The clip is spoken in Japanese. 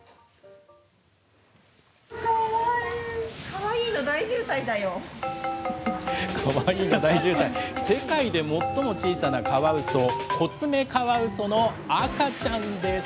かわいいの大渋滞、世界で最も小さなカワウソ、コツメカワウソの赤ちゃんです。